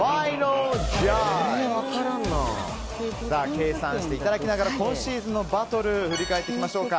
計算していただきながら今シーズンのバトルを振り返っていきましょうか。